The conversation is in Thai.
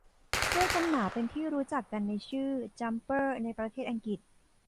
เสื้อกันหนาวเป็นที่รู้จักกันในชื่อ “จั๊มเปอร์” ในประเทษอังกฤษ